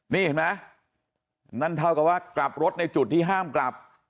นี่เห็นไหมนั่นเท่ากับว่ากลับรถในจุดที่ห้ามกลับ